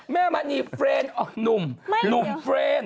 แม่มะนีเฟรนนุ่มเฟรน